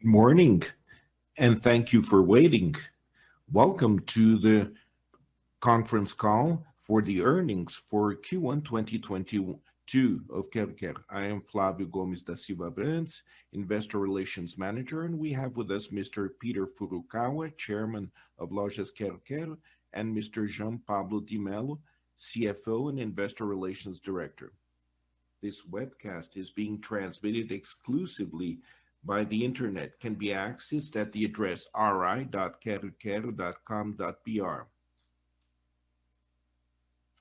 Morning, thank you for waiting. Welcome to the Conference Call for the Earnings for Q1 2022 of Quero-Quero. I am Flavio Gomes Da Silva [Abrantes], Investor Relations Manager, and we have with us Mr. Peter Furukawa, Chairman of Lojas Quero-Quero, and Mr. Jean Pablo de Mello, CFO and Investor Relations Director. This webcast is being transmitted exclusively by the internet. Can be accessed at the address ri.queroquero.com.br.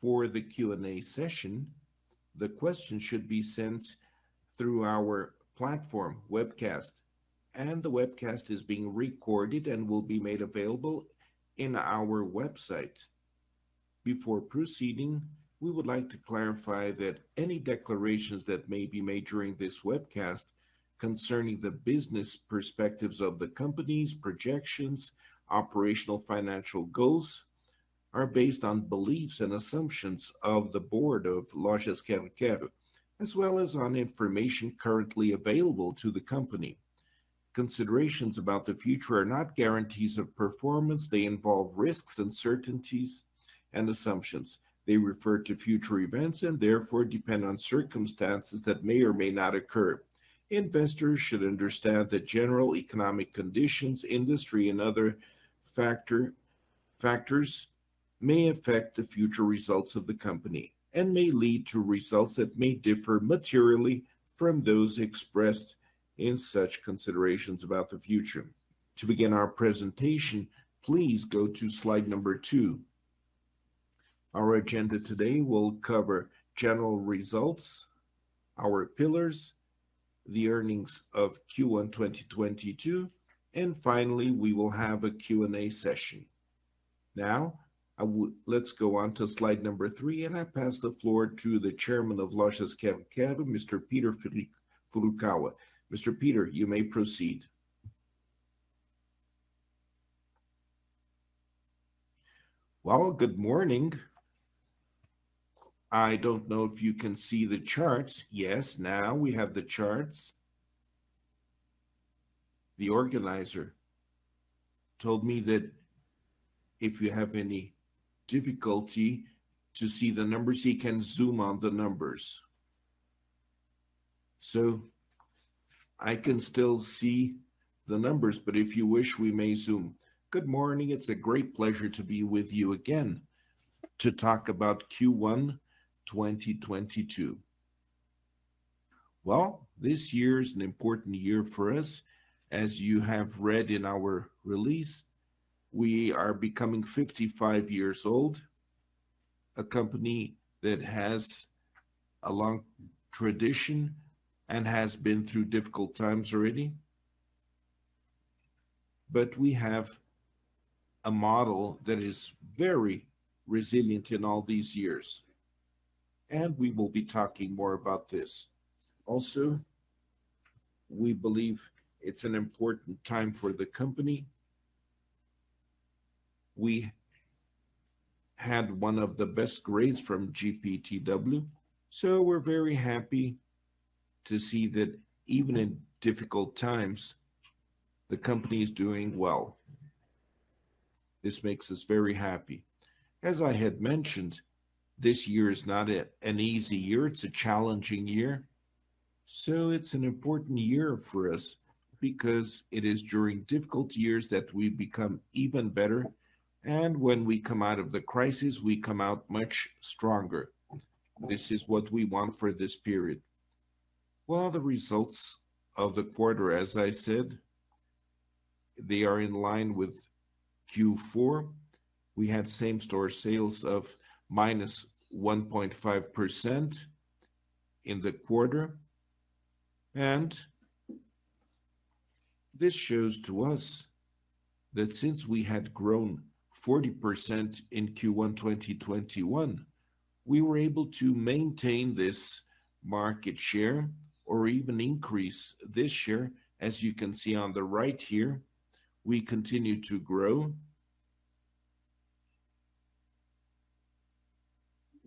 For the Q&A session, the questions should be sent through our webcast platform, and the webcast is being recorded and will be made available in our website. Before proceeding, we would like to clarify that any declarations that may be made during this webcast concerning the business perspectives of the company's projections, operational financial goals are based on beliefs and assumptions of the board of Lojas Quero-Quero, as well as on information currently available to the company. Considerations about the future are not guarantees of performance. They involve risks, uncertainties, and assumptions. They refer to future events and therefore depend on circumstances that may or may not occur. Investors should understand that general economic conditions, industry, and other factors may affect the future results of the company and may lead to results that may differ materially from those expressed in such considerations about the future. To begin our presentation, please go to slide number two. Our agenda today will cover general results, our pillars, the earnings of Q1 2022, and finally, we will have a Q&A session. Now let's go on to slide number three, and I pass the floor to the Chairman of Lojas Quero-Quero, Mr. Peter Furukawa. Mr. Peter, you may proceed. Well, good morning. I don't know if you can see the charts. Yes, now we have the charts. The organizer told me that if you have any difficulty to see the numbers, he can zoom on the numbers. I can still see the numbers, but if you wish, we may zoom. Good morning. It's a great pleasure to be with you again to talk about Q1 2022. Well, this year is an important year for us. As you have read in our release, we are becoming 55 years old, a company that has a long tradition and has been through difficult times already. We have a model that is very resilient in all these years, and we will be talking more about this. Also, we believe it's an important time for the company. We had one of the best grades from GPTW, so we're very happy to see that even in difficult times, the company is doing well. This makes us very happy. As I had mentioned, this year is not an easy year. It's a challenging year, so it's an important year for us because it is during difficult years that we become even better, and when we come out of the crisis, we come out much stronger. This is what we want for this period. Well, the results of the quarter, as I said, they are in line with Q4. We had same-store sales of -1.5% in the quarter, and this shows to us that since we had grown 40% in Q1 2021, we were able to maintain this market share or even increase this share. As you can see on the right here, we continue to grow.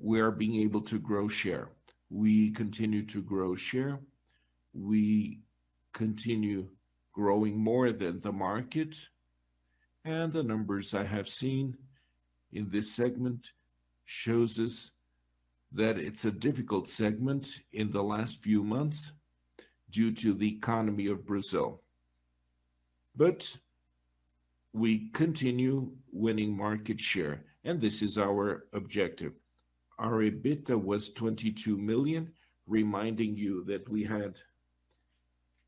We are being able to grow share. We continue to grow share. We continue growing more than the market. The numbers I have seen in this segment shows us that it's a difficult segment in the last few months due to the economy of Brazil. We continue winning market share, and this is our objective. Our EBITDA was 22 million, reminding you that we had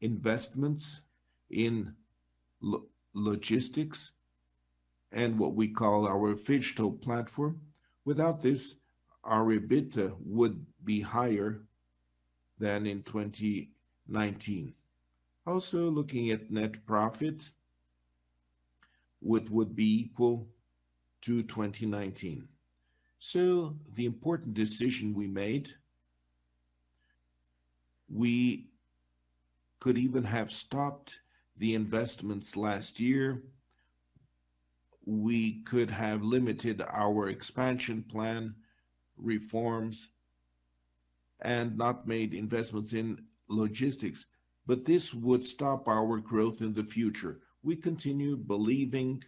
investments in logistics and what we call our phygital platform. Without this, our EBITDA would be higher than in 2019. Also looking at net profit, which would be equal to 2019. The important decision we made, we could even have stopped the investments last year. We could have limited our expansion plan, reforms, and not made investments in logistics, but this would stop our growth in the future. We continue believing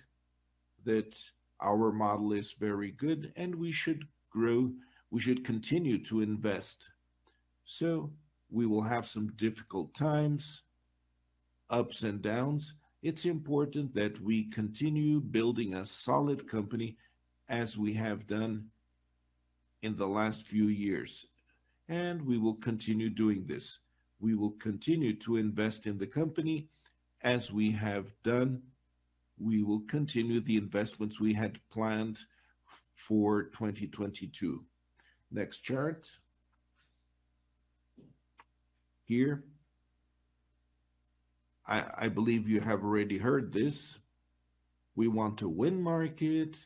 that our model is very good and we should grow, we should continue to invest. We will have some difficult times, ups and downs. It's important that we continue building a solid company as we have done in the last few years, and we will continue doing this. We will continue to invest in the company as we have done. We will continue the investments we had planned for 2022. Next chart. Here, I believe you have already heard this. We want to win market,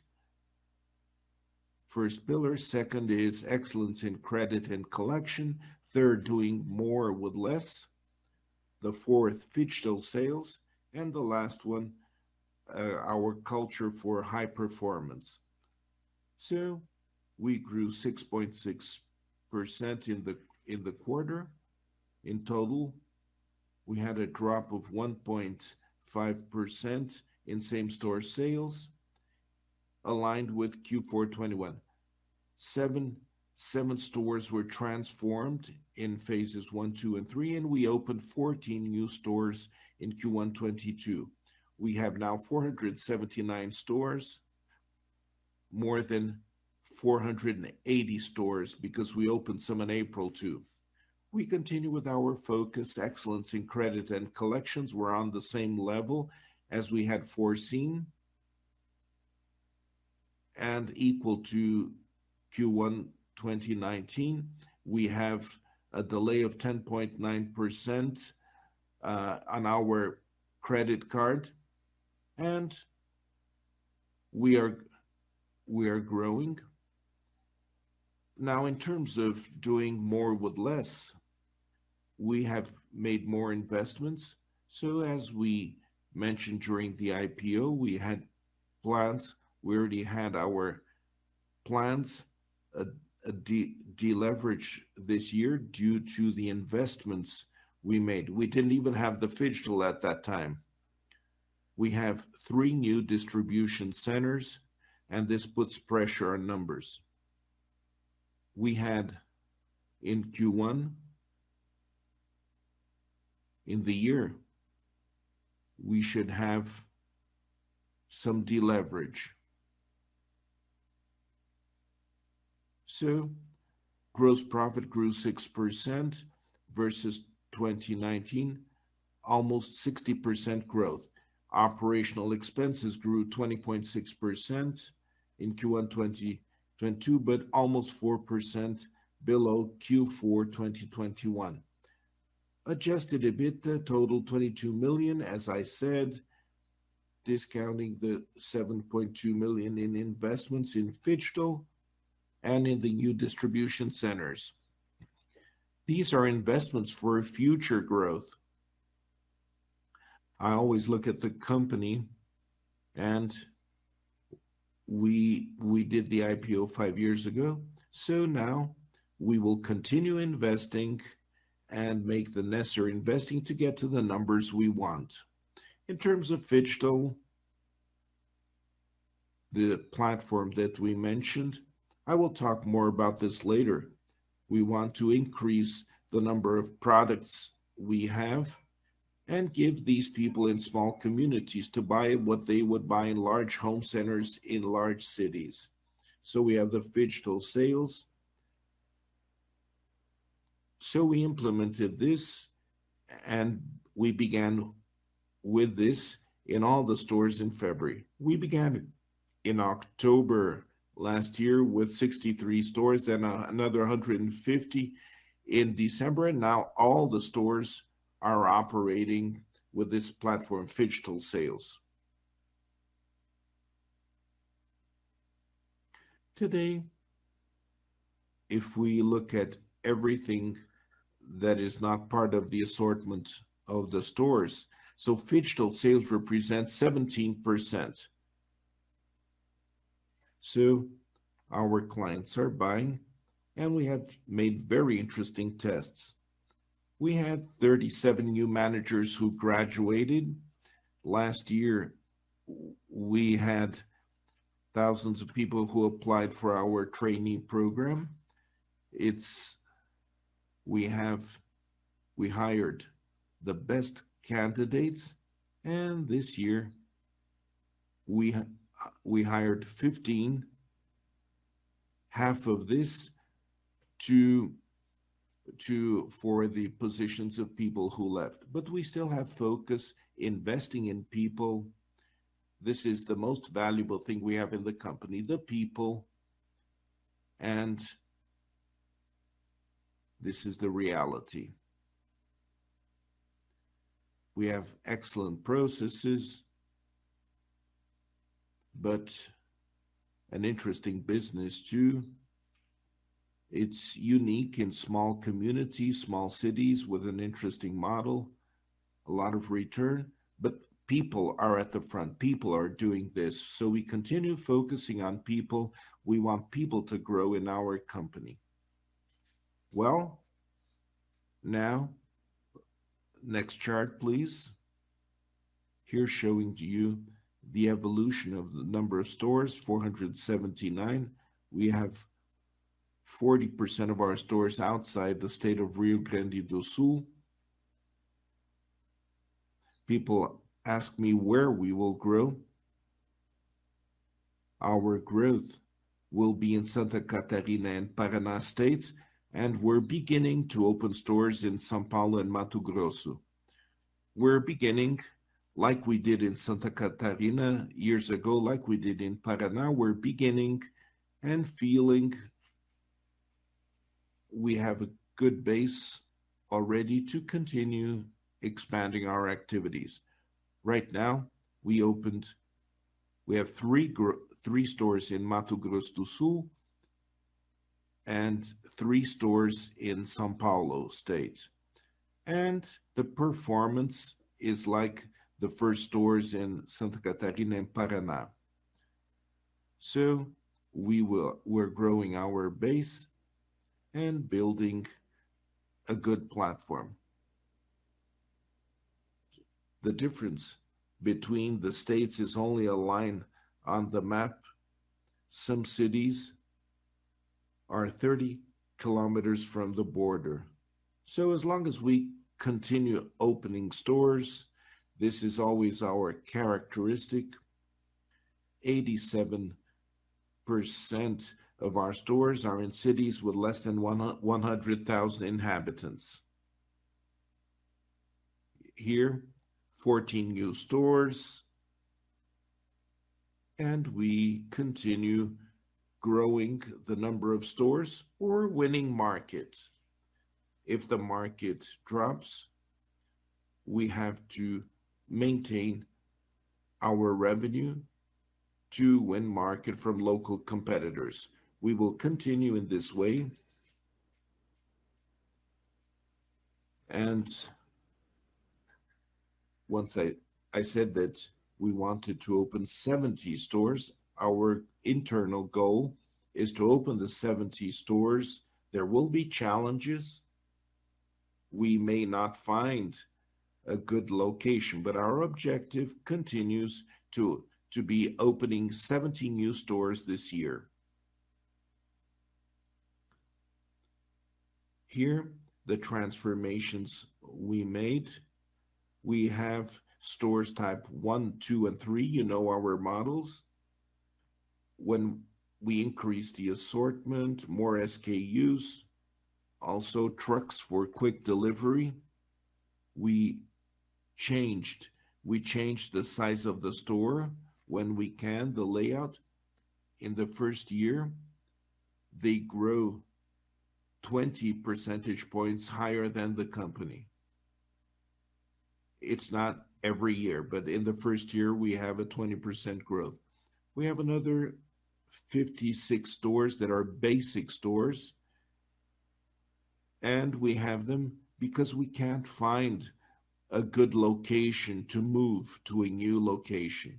first pillar. Second is excellence in credit and collection. Third, doing more with less. The fourth, phygital sales. And the last one, our culture for high performance. We grew 6.6% in the quarter. In total, we had a drop of 1.5% in same-store sales, aligned with Q4 2021. Seven stores were transformed in phases I, II, and III, and we opened 14 new stores in Q1 2022. We have now 479 stores, more than 480 stores because we opened some in April too. We continue with our focus, excellence in credit and collections. We're on the same level as we had foreseen and equal to Q1 2019. We have a delay of 10.9% on our credit card, and we are growing. Now, in terms of doing more with less, we have made more investments. As we mentioned during the IPO, we had plans. We already had our plans, deleverage this year due to the investments we made. We didn't even have the phygital at that time. We have three new distribution centers, and this puts pressure on numbers. We had in Q1. In the year, we should have some deleverage. Gross profit grew 6% versus 2019, almost 60% growth. Operational expenses grew 20.6% in Q1 2022, but almost 4% below Q4 2021. Adjusted EBITDA totaled 22 million, as I said, discounting the 7.2 million in investments in phygital and in the new distribution centers. These are investments for future growth. I always look at the company, and we did the IPO five years ago. Now we will continue investing and make the necessary investing to get to the numbers we want. In terms of phygital, the platform that we mentioned, I will talk more about this later. We want to increase the number of products we have and give these people in small communities to buy what they would buy in large home centers in large cities. We have the phygital sales. We implemented this, and we began with this in all the stores in February. We began in October last year with 63 stores, then another 150 in December, and now all the stores are operating with this platform, phygital sales. Today, if we look at everything that is not part of the assortment of the stores, so phygital sales represent 17%. Our clients are buying, and we have made very interesting tests. We had 37 new managers who graduated. Last year, we had thousands of people who applied for our trainee program. We hired the best candidates, and this year we hired 15, half of this to for the positions of people who left. We still have focus, investing in people. This is the most valuable thing we have in the company, the people, and this is the reality. We have excellent processes, but an interesting business too. It's unique in small communities, small cities with an interesting model, a lot of return, but people are at the front. People are doing this. We continue focusing on people. We want people to grow in our company. Well, now next chart, please. Here showing to you the evolution of the number of stores, 479. We have 40% of our stores outside the state of Rio Grande do Sul. People ask me where we will grow. Our growth will be in Santa Catarina and Paraná states, and we're beginning to open stores in São Paulo and Mato Grosso. We're beginning like we did in Santa Catarina years ago, like we did in Paraná. We're beginning and feeling we have a good base already to continue expanding our activities. Right now, we have three stores in Mato Grosso do Sul and three stores in São Paulo state. The performance is like the first stores in Santa Catarina and Paraná. We're growing our base and building a good platform. The difference between the states is only a line on the map. Some cities are 30 kilometers from the border. As long as we continue opening stores, this is always our characteristic. 87% of our stores are in cities with less than 100,000 inhabitants. Here, 14 new stores. We continue growing the numbers of stores or winning markets. If the market drops, we have to maintain our revenue to win market from local competitors. We will continue in this way. Once I said that we wanted to open 70 stores. Our internal goal is to open the 70 stores. There will be challenges. We may not find a good location, but our objective continues to be opening 70 new stores this year. Here, the transformations we made. We have stores type 1, 2, and 3. You know our models. When we increase the assortment, more SKUs, also trucks for quick delivery, we changed the size of the store when we can, the layout. In the first year, they grow 20 percentage points higher than the company. It's not every year, but in the first year we have a 20% growth. We have another 56 stores that are basic stores, and we have them because we can't find a good location to move to a new location.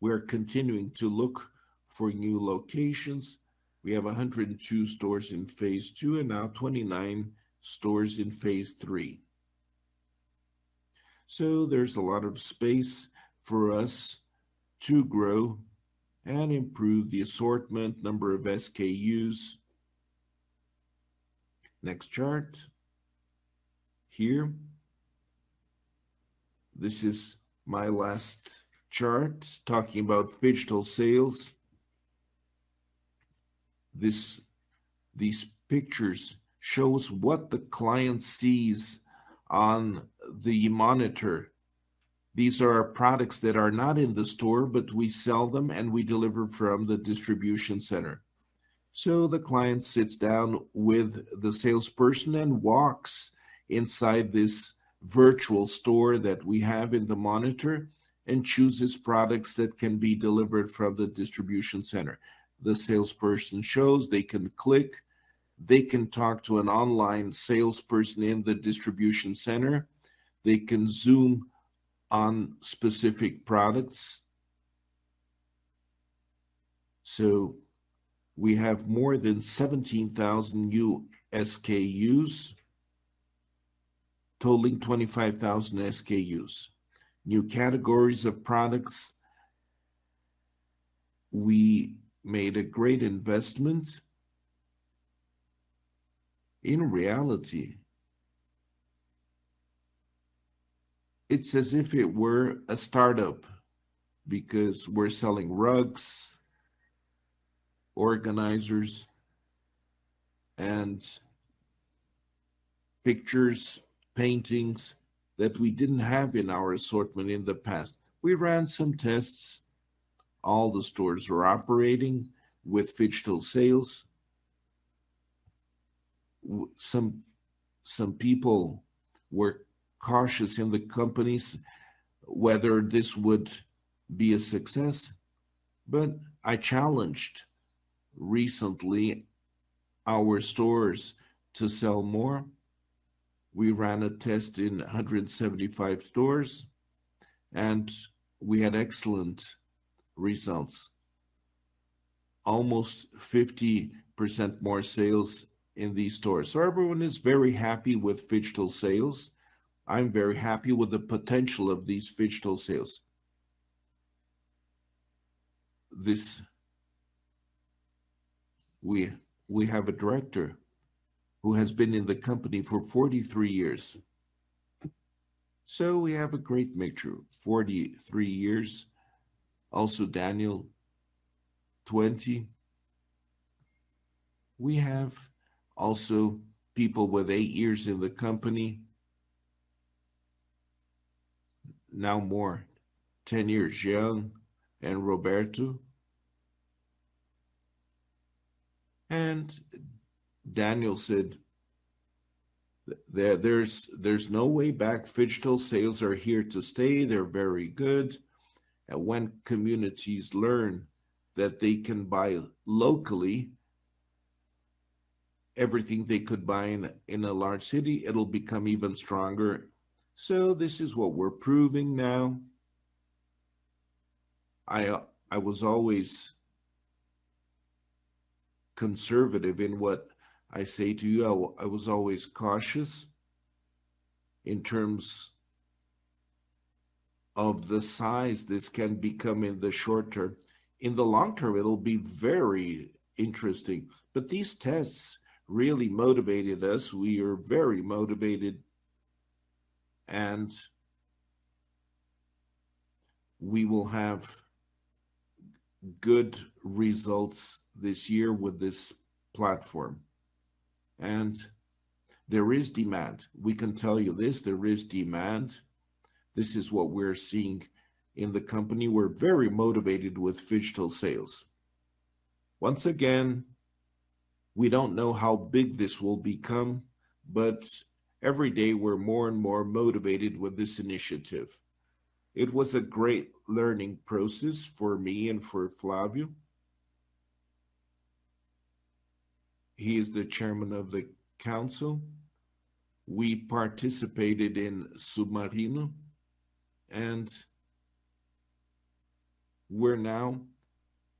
We're continuing to look for new locations. We have 102 stores in phase II and now 29 stores in phase III. There's a lot of space for us to grow and improve the assortment number of SKUs. Next chart. Here. This is my last chart talking about phygital sales. This, these pictures shows what the client sees on the monitor. These are products that are not in the store, but we sell them and we deliver from the distribution center. The client sits down with the salesperson and walks inside this virtual store that we have in the monitor and chooses products that can be delivered from the distribution center. The salesperson shows they can click. They can talk to an online salesperson in the distribution center. They can zoom on specific products. We have more than 17,000 new SKUs totaling 25,000 SKUs. New categories of products. We made a great investment. In reality, it's as if it were a startup because we're selling rugs, organizers, and pictures, paintings that we didn't have in our assortment in the past. We ran some tests. All the stores were operating with phygital sales. Some people were cautious in the companies whether this would be a success. I challenged recently our stores to sell more. We ran a test in 175 stores, and we had excellent results. Almost 50% more sales in these stores. Everyone is very happy with phygital sales. I'm very happy with the potential of these phygital sales. We have a director who has been in the company for 43 years. We have a great mixture, 43 years. Also Daniel, 20. We have also people with eight years in the company. Now more, 10 years, João and Roberto. Daniel said there's no way back. Phygital sales are here to stay. They're very good. When communities learn that they can buy locally everything they could buy in a large city, it'll become even stronger. This is what we're proving now. I was always conservative in what I say to you. I was always cautious in terms of the size this can become in the short term. In the long term, it'll be very interesting. These tests really motivated us. We are very motivated, and we will have good results this year with this platform. There is demand. We can tell you this, there is demand. This is what we're seeing in the company. We're very motivated with phygital sales. Once again, we don't know how big this will become, but every day we're more and more motivated with this initiative. It was a great learning process for me and for Flávio. He is the Chairman of the council. We participated in Submarino, and we're now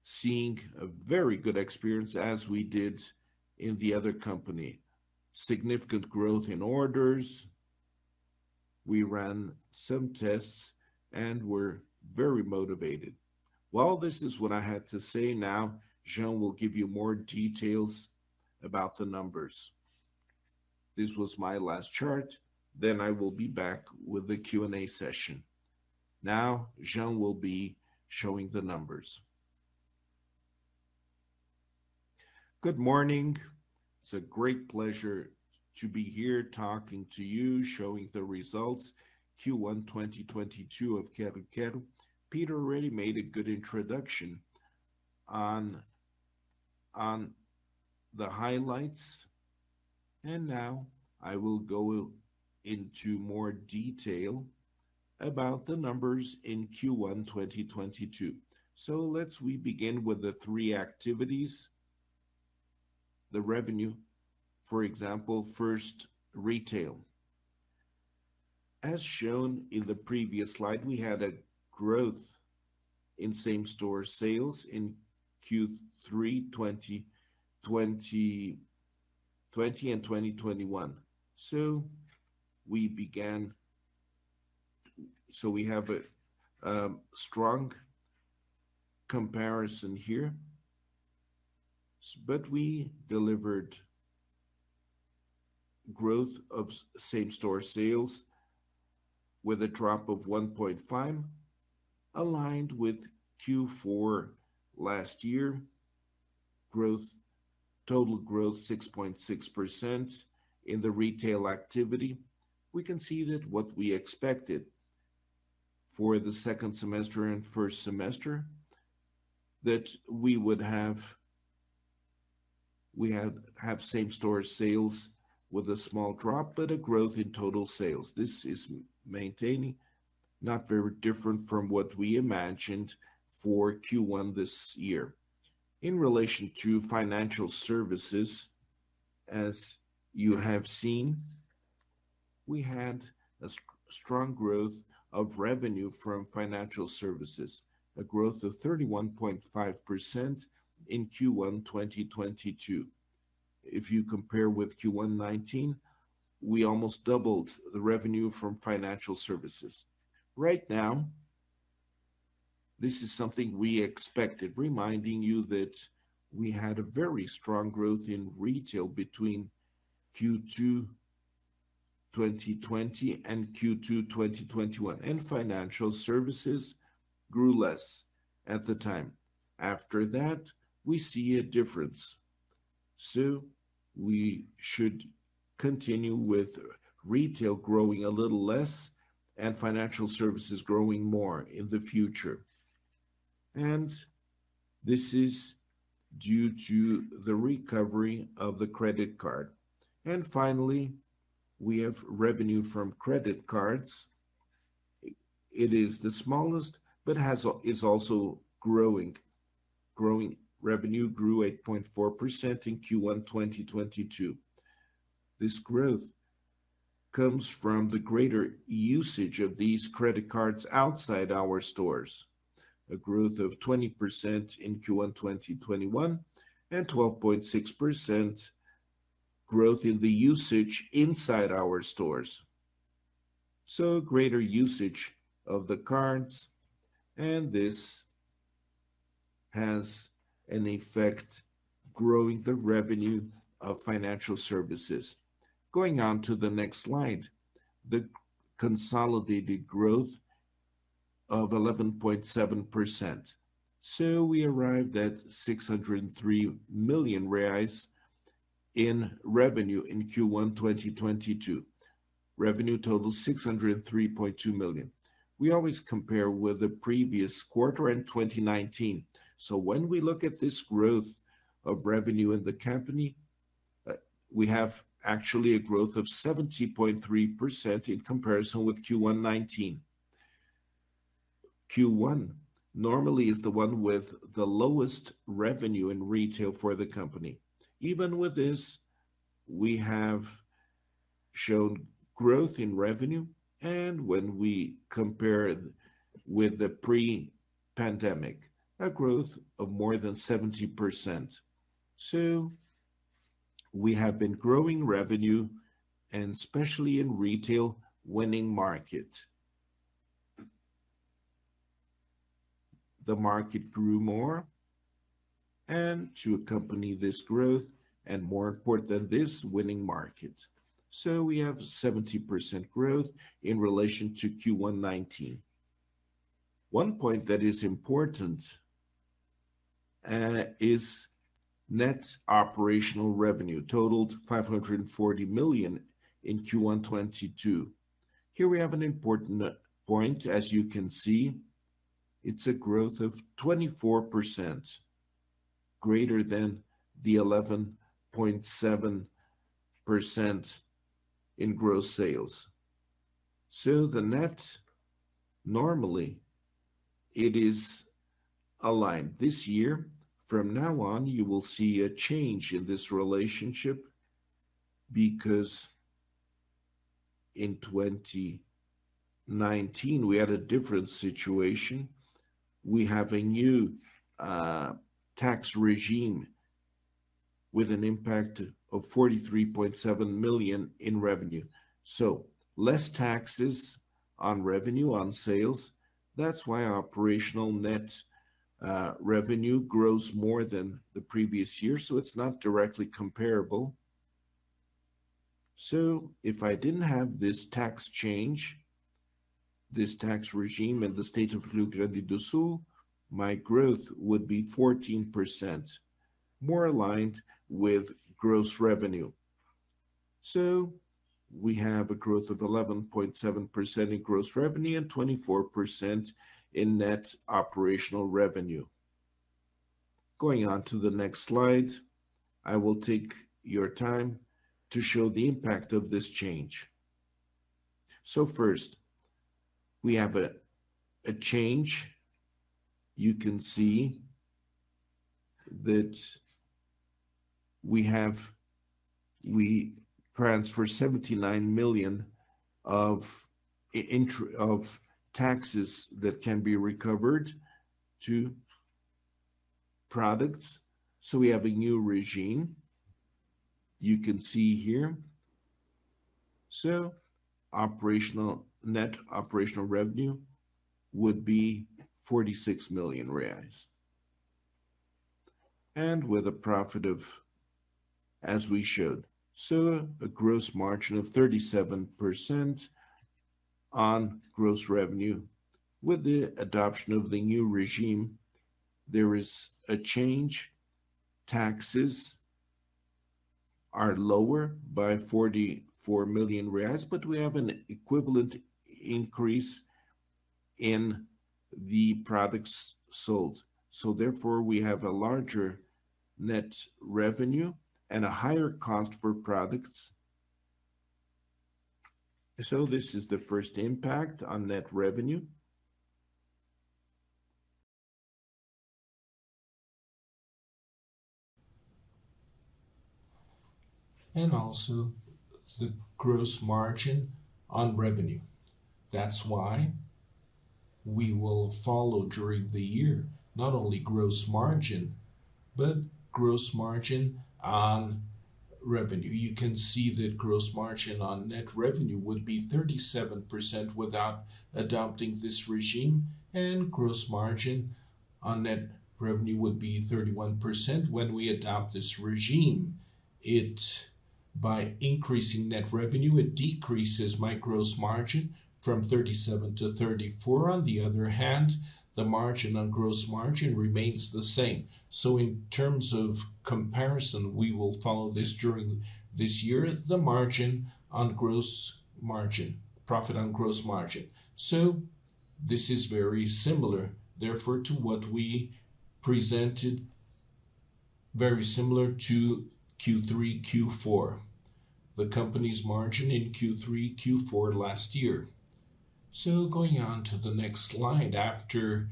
seeing a very good experience as we did in the other company. Significant growth in orders. We ran some tests, and we're very motivated. Well, this is what I had to say. Now Jean will give you more details about the numbers. This was my last chart, then I will be back with the Q&A session. Now Jean will be showing the numbers. Good morning. It's a great pleasure to be here talking to you, showing the results Q1 2022 of Lojas Quero-Quero. Peter already made a good introduction on the highlights, and now I will go into more detail about the numbers in Q1 2022. Let's begin with the three activities. The revenue, for example, first retail. As shown in the previous slide, we had a growth in same-store sales in Q3 2020, Q3 and 2021. We have a strong comparison here, but we delivered growth of same-store sales with a drop of 1.5%, aligned with Q4 last year growth. Total growth 6.6% in the retail activity. We can see that what we expected for the second semester and first semester we had same-store sales with a small drop, but a growth in total sales. This is maintaining, not very different from what we imagined for Q1 this year. In relation to financial services, as you have seen, we had a strong growth of revenue from financial services, a growth of 31.5% in Q1 2022. If you compare with Q1 2019, we almost doubled the revenue from financial services. Right now, this is something we expected, reminding you that we had a very strong growth in retail between Q2 2020 and Q2 2021, and financial services grew less at the time. After that, we see a difference. We should continue with retail growing a little less and financial services growing more in the future. This is due to the recovery of the credit card. Finally, we have revenue from credit cards. It is the smallest, but is also growing. Revenue grew 8.4% in Q1 2022. This growth comes from the greater usage of these credit cards outside our stores. A growth of 20% in Q1 2021, and 12.6% growth in the usage inside our stores. Greater usage of the cards, and this has an effect growing the revenue of financial services. Going on to the next slide, the consolidated growth of 11.7%. We arrived at 603 million reais in revenue in Q1 2022. Revenue total 603.2 million. We always compare with the previous quarter in 2019. When we look at this growth of revenue in the company, actually we have a growth of 70.3% in comparison with Q1 2019. Q1 normally is the one with the lowest revenue in retail for the company. Even with this, we have shown growth in revenue and when we compare with the pre-pandemic, a growth of more than 70%. We have been growing revenue and especially in retail, winning market. The market grew more and to accompany this growth, and more important than this, winning market. We have 70% growth in relation to Q1 2019. One point that is important is net operational revenue totaled 540 million in Q1 2022. Here we have an important point. As you can see, it's a growth of 24%, greater than the 11.7% in gross sales. The net, normally it is aligned. This year, from now on, you will see a change in this relationship because in 2019 we had a different situation. We have a new tax regime with an impact of 43.7 million in revenue. Less taxes on revenue on sales. That's why our operational net revenue grows more than the previous year, so it's not directly comparable. If I didn't have this tax change, this tax regime in the state of Rio Grande do Sul, my growth would be 14%, more aligned with gross revenue. We have a growth of 11.7% in gross revenue and 24% in net operational revenue. Going on to the next slide, I will take your time to show the impact of this change. First, we have a change. You can see that we transfer BRL 79 million of taxes that can be recovered to products. We have a new regime. You can see here. Net operational revenue would be BRL 46 million. With a profit of, as we showed. A gross margin of 37% on gross revenue. With the adoption of the new regime, there is a change. Taxes are lower by 44 million reais, but we have an equivalent increase in the products sold. Therefore, we have a larger net revenue and a higher cost for products. This is the first impact on net revenue. Also the gross margin on revenue. That's why we will follow during the year, not only gross margin, but gross margin on revenue. You can see that gross margin on net revenue would be 37% without adopting this regime, and gross margin on net revenue would be 31% when we adopt this regime. By increasing net revenue, it decreases my gross margin from 37%-34%. On the other hand, the margin on gross margin remains the same. In terms of comparison, we will follow this during this year, the margin on gross margin, profit on gross margin. This is very similar, therefore, to what we presented. Very similar to Q3, Q4. The company's margin in Q3, Q4 last year. Going on to the next slide, after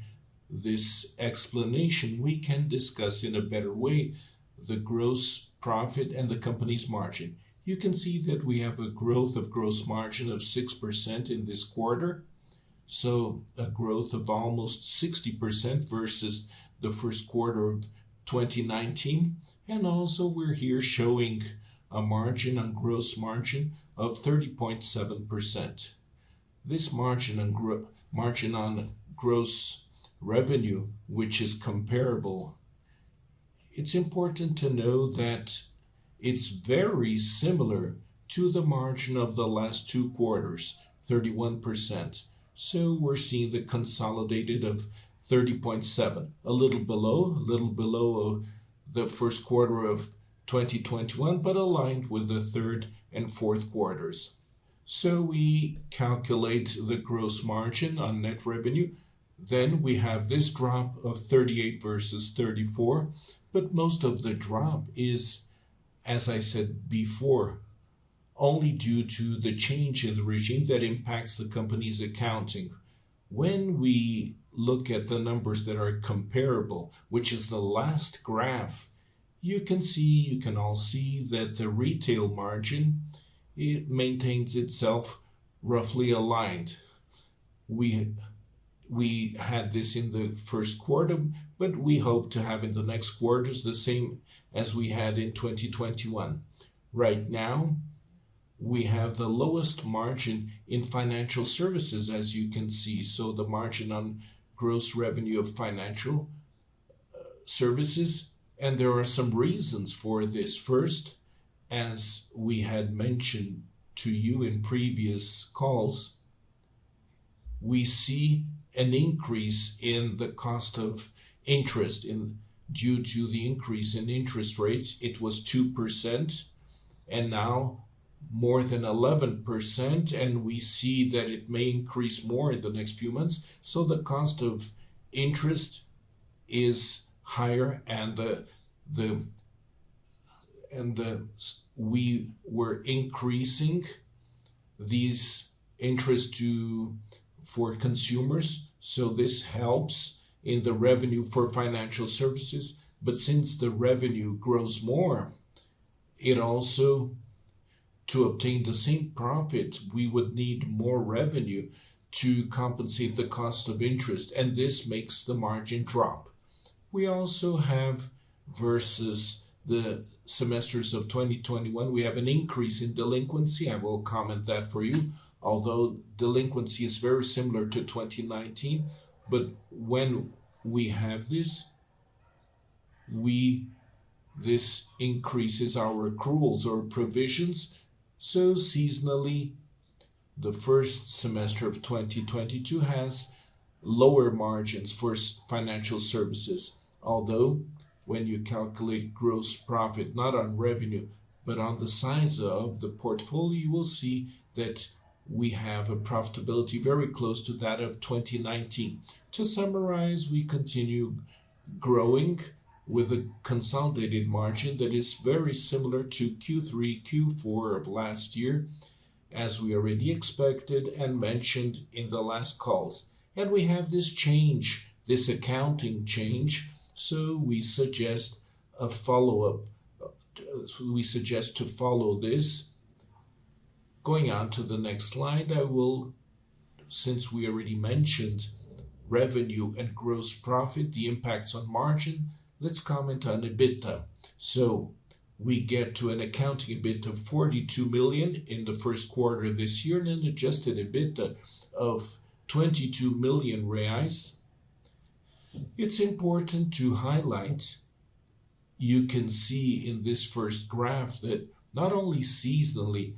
this explanation, we can discuss in a better way the gross profit and the company's margin. You can see that we have a growth of gross margin of 6% in this quarter, so a growth of almost 60% versus the first quarter of 2019. We're here showing a gross margin of 30.7%. This margin on gross revenue, which is comparable, it's important to know that it's very similar to the margin of the last two quarters, 31%. We're seeing the consolidated of 30.7%, a little below the first quarter of 2021, but aligned with the third and fourth quarters. We calculate the gross margin on net revenue. We have this drop of 38% versus 34%. Most of the drop is, as I said before, only due to the change in the regime that impacts the company's accounting. When we look at the numbers that are comparable, which is the last graph, you can see, you can all see that the retail margin, it maintains itself roughly aligned. We had this in the first quarter, but we hope to have in the next quarters the same as we had in 2021. Right now, we have the lowest margin in financial services, as you can see. The margin on gross revenue of financial services. There are some reasons for this. First, as we had mentioned to you in previous calls, we see an increase in the cost of interest due to the increase in interest rates. It was 2% and now more than 11%, and we see that it may increase more in the next few months. The cost of interest is higher and we're increasing these interests for consumers, so this helps in the revenue for financial services. Since the revenue grows more, to obtain the same profit, we would need more revenue to compensate the cost of interest, and this makes the margin drop. We also have, versus the semesters of 2021, we have an increase in delinquency. I will comment that for you. Although delinquency is very similar to 2019, but when we have this increases our accruals or provisions. Seasonally, the first semester of 2022 has lower margins for financial services. Although when you calculate gross profit, not on revenue, but on the size of the portfolio, you will see that we have a profitability very close to that of 2019. To summarize, we continue growing with a consolidated margin that is very similar to Q3, Q4 of last year, as we already expected and mentioned in the last calls. We have this change, this accounting change, so we suggest a follow-up. Going on to the next slide, since we already mentioned revenue and gross profit, the impacts on margin, let's comment on EBITDA. We get to an accounting EBITDA of 42 million in the first quarter this year and an Adjusted EBITDA of 22 million reais. It's important to highlight, you can see in this first graph that not only seasonally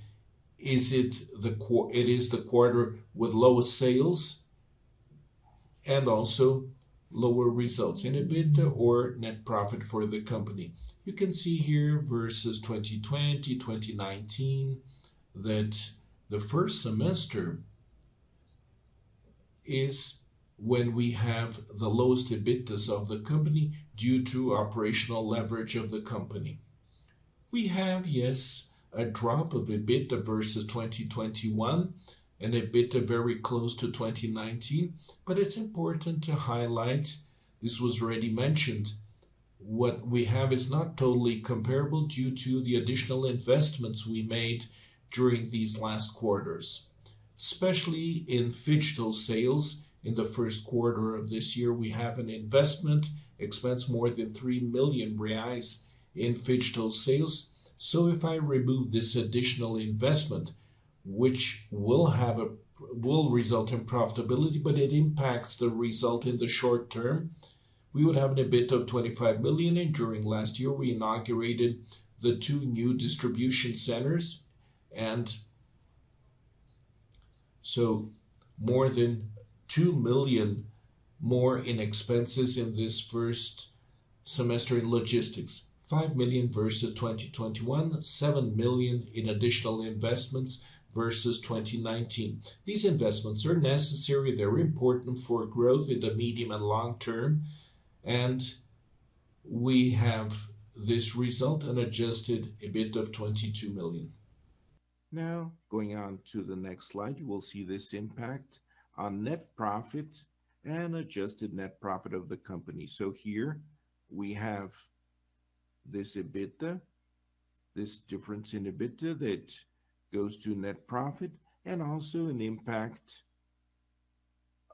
is it the quarter with lower sales and also lower results in EBITDA or net profit for the company. You can see here versus 2020, 2019 that the first semester is when we have the lowest EBITDAs of the company due to operational leverage of the company. We have, yes, a drop of EBITDA versus 2021 and EBITDA very close to 2019. It's important to highlight, this was already mentioned, what we have is not totally comparable due to the additional investments we made during these last quarters, especially in phygital sales. In the first quarter of this year, we have an investment expense more than 3 million reais in phygital sales. If I remove this additional investment, which will result in profitability, but it impacts the result in the short term, we would have an EBITDA of 25 million. During last year, we inaugurated the two new distribution centers and so more than 2 million more in expenses in this first semester in logistics. 5 million versus 2021. 7 million in additional investments versus 2019. These investments are necessary. They're important for growth in the medium and long term, and we have this result, an Adjusted EBITDA of 22 million. Now going on to the next slide, you will see this impact on net profit and adjusted net profit of the company. Here we have this EBITDA, this difference in EBITDA that goes to net profit and also an impact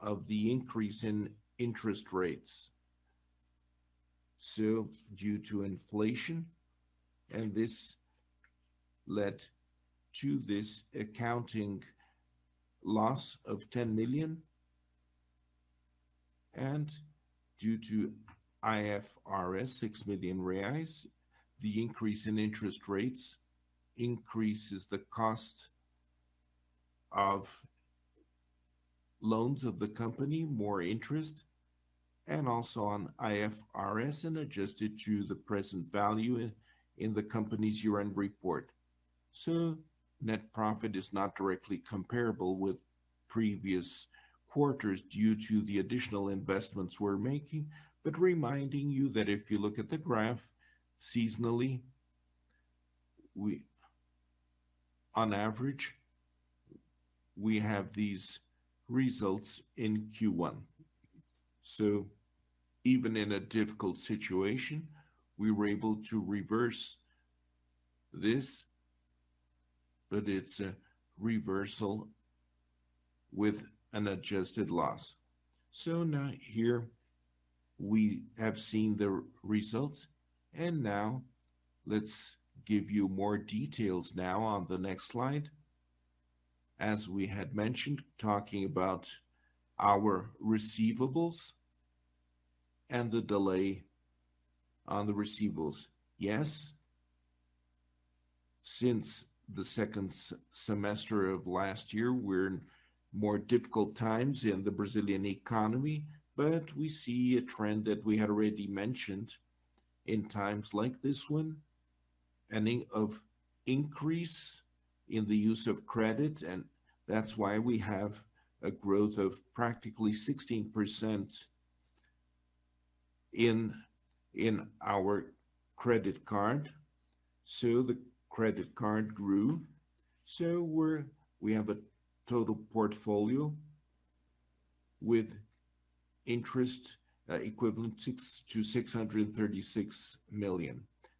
of the increase in interest rates. Due to inflation, this led to this accounting loss of 10 million. Due to IFRS 6 million reais, the increase in interest rates increases the cost of loans of the company, more interest, and also on IFRS and adjusted to the present value in the company's year-end report. Net profit is not directly comparable with previous quarters due to the additional investments we're making. Reminding you that if you look at the graph seasonally, on average we have these results in Q1. Even in a difficult situation, we were able to reverse this, but it's a reversal with an adjusted loss. Now here we have seen the results, and now let's give you more details now on the next slide. As we had mentioned, talking about our receivables and the delay on the receivables. Yes, since the second semester of last year, we're in more difficult times in the Brazilian economy. We see a trend that we had already mentioned in times like this one, an increase in the use of credit, and that's why we have a growth of practically 16% in our credit card. The credit card grew. We have a total portfolio with interest, equivalent to 636 million.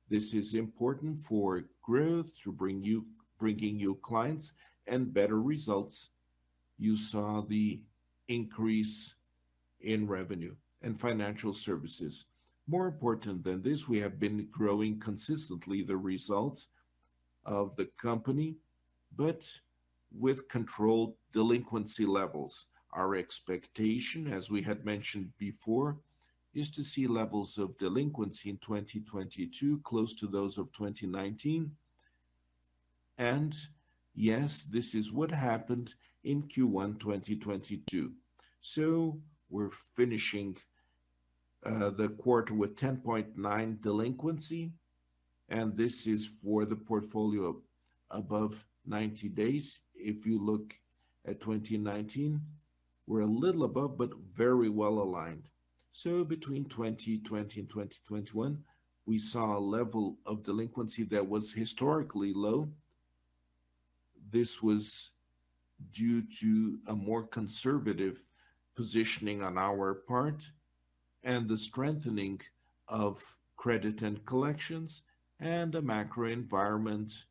This is important for growth bringing new clients and better results. You saw the increase in revenue and financial services. More important than this, we have been growing consistently the results of the company, but with controlled delinquency levels. Our expectation, as we had mentioned before, is to see levels of delinquency in 2022 close to those of 2019. Yes, this is what happened in Q1 2022. We're finishing the quarter with 10.9% delinquency, and this is for the portfolio above 90 days. If you look at 2019, we're a little above but very well aligned. Between 2020 and 2021, we saw a level of delinquency that was historically low. This was due to a more conservative positioning on our part and the strengthening of credit and collections and the macro environment.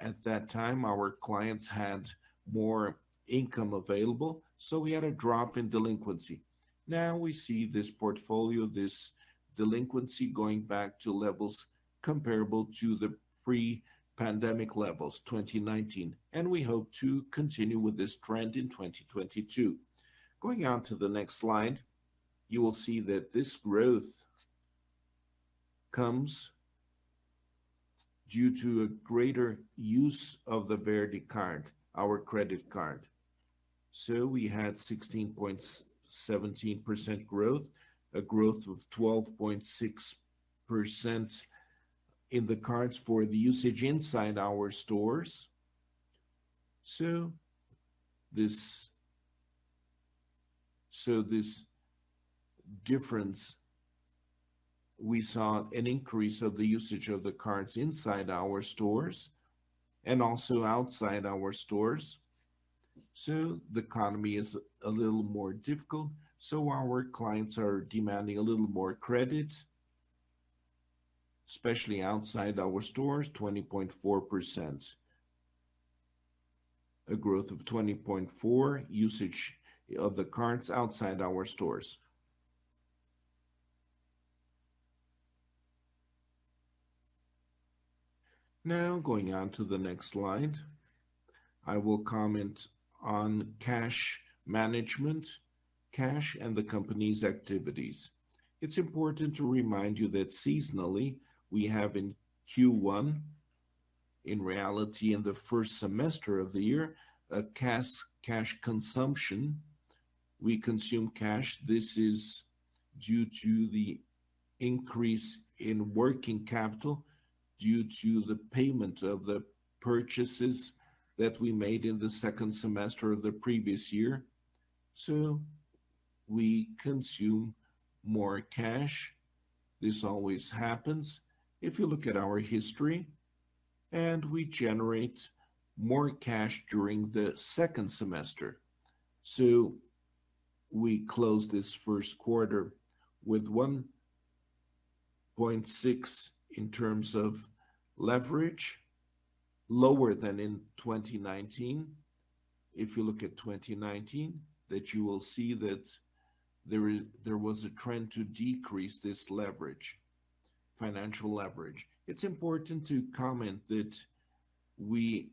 At that time, our clients had more income available, so we had a drop in delinquency. Now we see this portfolio, this delinquency going back to levels comparable to the pre-pandemic levels, 2019, and we hope to continue with this trend in 2022. Going on to the next slide, you will see that this growth comes due to a greater use of the VerdeCard, our credit card. We had 16.17% growth, a growth of 12.6% in the cards for the usage inside our stores. This difference, we saw an increase of the usage of the cards inside our stores and also outside our stores. The economy is a little more difficult, so our clients are demanding a little more credit, especially outside our stores, 20.4%. A growth of 20.4 usage of the cards outside our stores. Now going on to the next slide, I will comment on cash management, cash and the company's activities. It's important to remind you that seasonally we have in Q1, in reality in the first semester of the year, a cash consumption. We consume cash. This is due to the increase in working capital due to the payment of the purchases that we made in the second semester of the previous year. We consume more cash. This always happens if you look at our history, and we generate more cash during the second semester. We close this first quarter with 1.6 in terms of leverage, lower than in 2019. If you look at 2019, that you will see that there was a trend to decrease this leverage, financial leverage. It's important to comment that we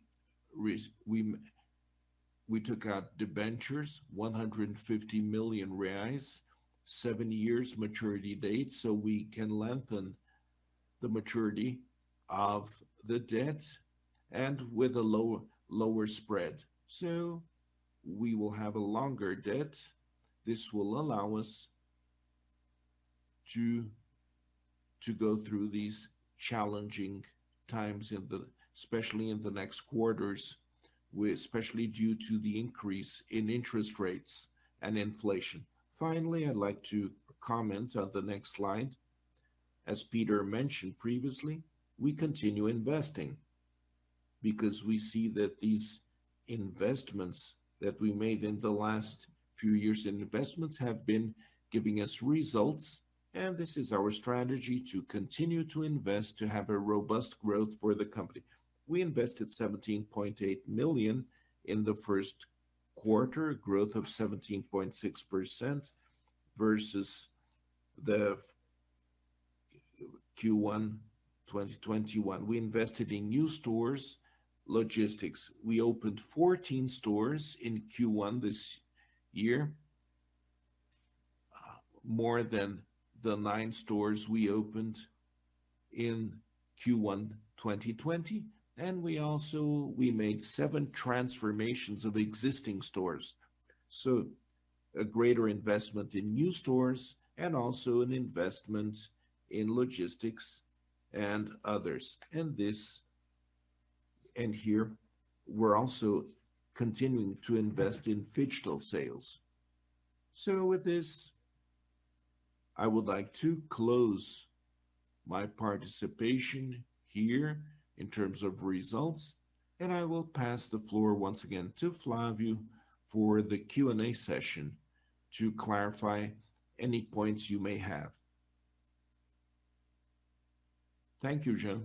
took out debentures 150 million reais, seven years maturity date, so we can lengthen the maturity of the debt and with a lower spread. We will have a longer debt. This will allow us to go through these challenging times especially in the next quarters, especially due to the increase in interest rates and inflation. Finally, I'd like to comment on the next slide. As Peter mentioned previously, we continue investing because we see that these investments that we made in the last few years in investments have been giving us results, and this is our strategy to continue to invest to have a robust growth for the company. We invested 17.8 million in the first quarter, growth of 17.6% versus Q1 2021. We invested in new stores, logistics. We opened 14 stores in Q1 this year, more than the 9 stores we opened in Q1 2020. We also made 7 transformations of existing stores, so a greater investment in new stores and also an investment in logistics and others. Here we're also continuing to invest in phygital sales. With this, I would like to close my participation here in terms of results, and I will pass the floor once again to Flavio for the Q&A session to clarify any points you may have. Thank you, Jean.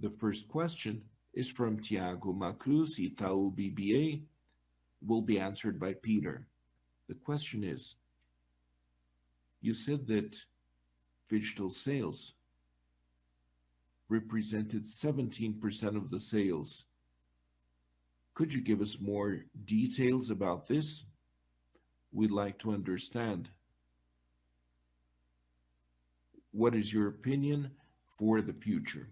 The first question is from Thiago Macruz, Itaú BBA, will be answered by Peter. The question is: You said that phygital sales represented 17% of the sales. Could you give us more details about this? We'd like to understand what is your opinion for the future.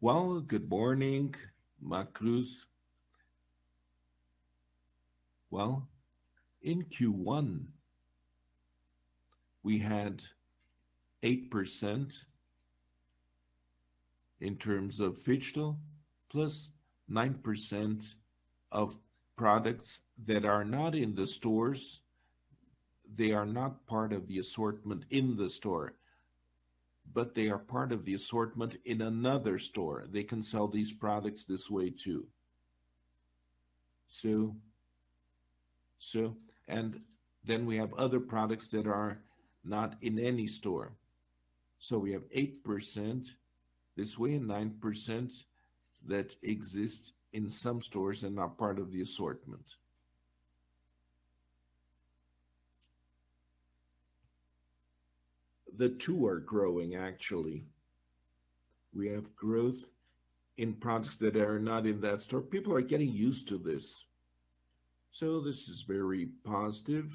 Well, good morning, Macruz. Well, in Q1 we had 8% in terms of phygital, plus 9% of products that are not in the stores. They are not part of the assortment in the store, but they are part of the assortment in another store. They can sell these products this way too. We have other products that are not in any store. We have 8% this way and 9% that exist in some stores and are part of the assortment. The two are growing actually. We have growth in products that are not in that store. People are getting used to this, so this is very positive.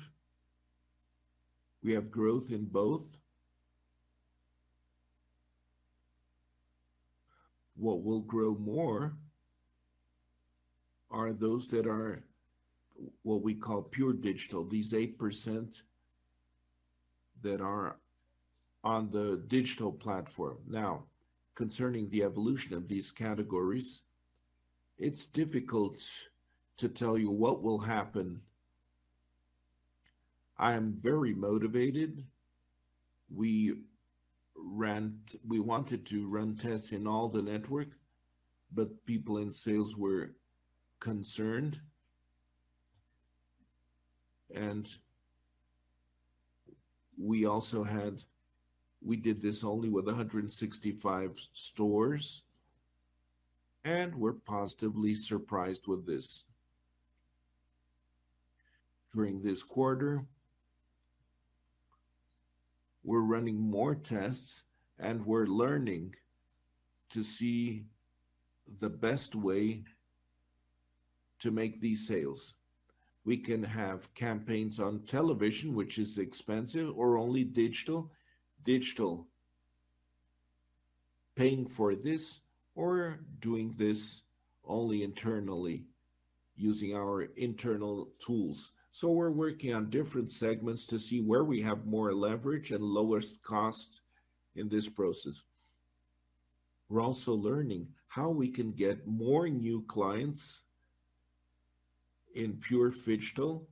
We have growth in both. What will grow more are those that are what we call pure digital, these 8% that are on the digital platform. Now, concerning the evolution of these categories, it's difficult to tell you what will happen. I am very motivated. We wanted to run tests in all the network, but people in sales were concerned. We did this only with 165 stores, and we're positively surprised with this. During this quarter, we're running more tests, and we're learning to see the best way to make these sales. We can have campaigns on television, which is expensive, or only digital paying for this, or doing this only internally. Using our internal tools. We're working on different segments to see where we have more leverage and lower cost in this process. We're also learning how we can get more new clients in pure phygital.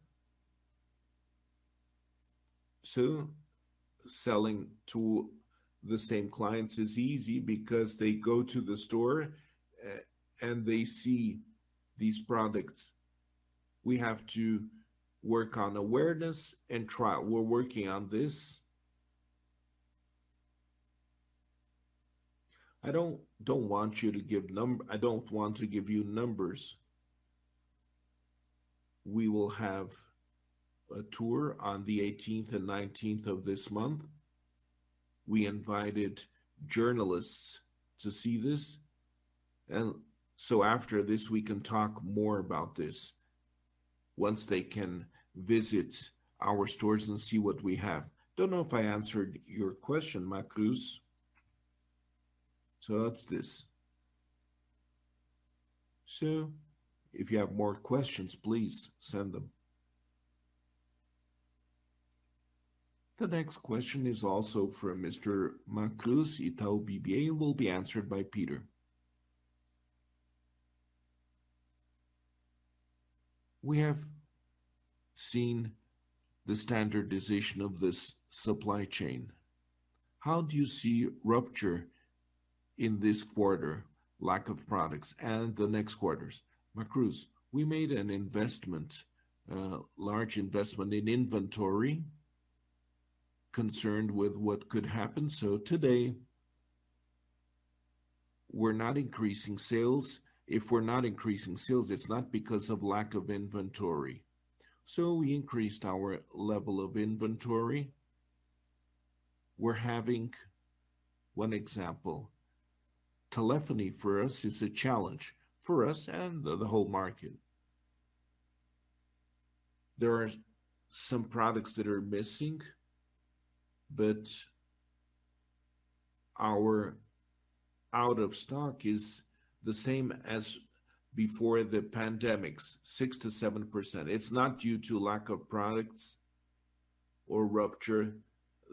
Selling to the same clients is easy because they go to the store, and they see these products. We have to work on awareness and trial. We're working on this. I don't want to give you numbers. We will have a tour on the eighteenth and nineteenth of this month. We invited journalists to see this, and so after this, we can talk more about this once they can visit our stores and see what we have. Don't know if I answered your question, Macruz. That's this. If you have more questions, please send them. The next question is also from Mr. Macruz, Itaú BBA, will be answered by Peter. We have seen the standardization of this supply chain. How do you see rupture in this quarter, lack of products and the next quarters? Macruz, we made an investment, large investment in inventory concerned with what could happen. Today we're not increasing sales. If we're not increasing sales, it's not because of lack of inventory. We increased our level of inventory. One example, telephony for us is a challenge, for us and the whole market. There are some products that are missing, but our out of stock is the same as before the pandemic, 6%-7%. It's not due to lack of products or rupture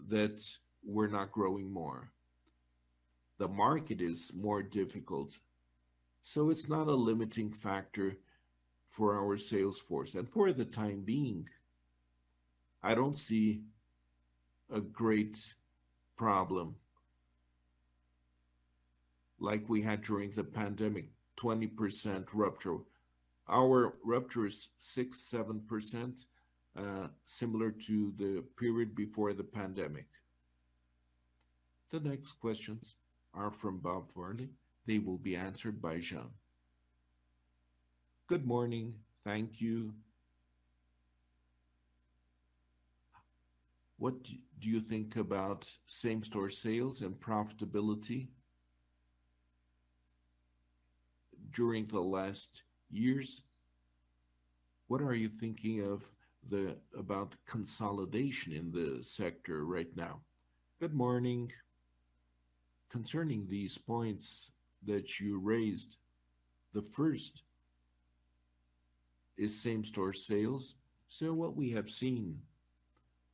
that we're not growing more. The market is more difficult, so it's not a limiting factor for our sales force. For the time being, I don't see a great problem like we had during the pandemic, 20% rupture. Our rupture is 6%-7%, similar to the period before the pandemic. The next questions are from Bob Furlan. They will be answered by Jean Pablo de Mello. Good morning. Thank you. What do you think about same-store sales and profitability during the last years? What are you thinking about consolidation in the sector right now? Good morning. Concerning these points that you raised, the first is same-store sales. What we have seen,